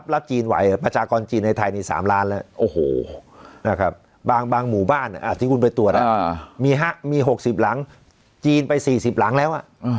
จีนไหวประชากรจีนในไทยนี่๓ล้านแล้วโอ้โหบางหมู่บ้านที่คุณไปตรวจมี๖๐หลังจีนไป๔๐หลังแล้ว